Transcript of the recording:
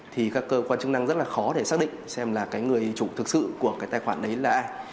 thì các cơ quan chức năng rất là khó để xác định xem là cái người chủ thực sự của cái tài khoản đấy là ai